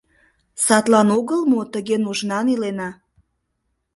Садлан огыл мо тыге нужнан илена?